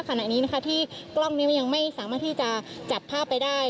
ขณะนี้นะคะที่กล้องนี้ยังไม่สามารถที่จะจับภาพไปได้